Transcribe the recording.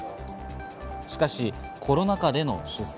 しかしコロナ禍での出産。